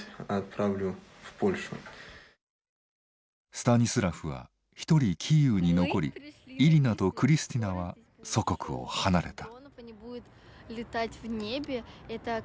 スタニスラフは一人キーウに残りイリナとクリスティナは祖国を離れた。